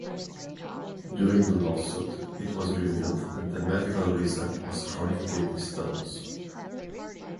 During the lawsuit, it was revealed that the "medical reason" was chronic kidney stones.